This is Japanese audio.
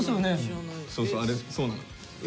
そうそうあれそうなのよ。